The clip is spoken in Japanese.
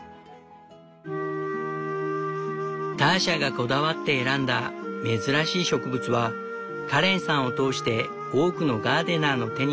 ターシャがこだわって選んだ珍しい植物はカレンさんを通して多くのガーデナーの手に渡った。